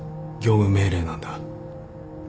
業務命令なんだ。